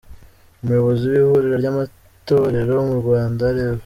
Umuyobozi w’Ihuriro ry’Amatorero mu Rwanda, Rev.